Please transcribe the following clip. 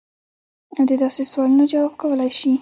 او د داسې سوالونو جواب کولے شي -